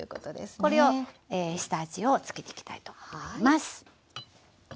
これを下味を付けていきたいと思います。